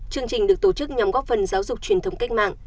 chương trình được tổ chức nhằm góp phần giáo dục truyền thống cách mạng